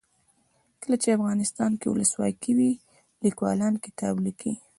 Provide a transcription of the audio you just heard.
کله چې افغانستان کې ولسواکي وي لیکوالان کتاب لیکي.